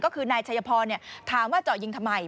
ก็คือนายชัยพรถามว่าเจาะยิงทำไม